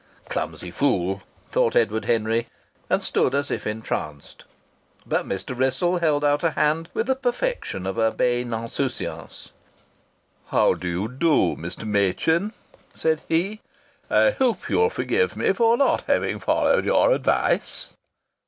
"Clumsy fool!" thought Edward Henry, and stood as if entranced. But Mr. Wrissell held out a hand with the perfection of urbane insouciance. "How d'you do, Mr. Machin?" said he. "I hope you'll forgive me for not having followed your advice."